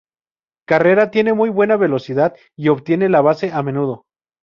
Carrera tiene muy buena velocidad y obtiene la base a menudo.